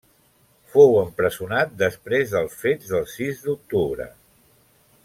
Fou empresonat després dels fets del sis d'octubre.